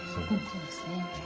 そうですね。